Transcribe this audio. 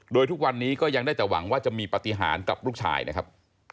โดยทุกวันนี้ก็ยังได้แต่หวังว่าจะมีปฏิหารกับลูกชายนะครับ